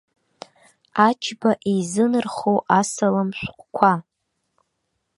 Аџьба изынархоу асалам шәҟәқәа.